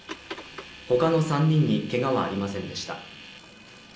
他の３人にけがはありませんでした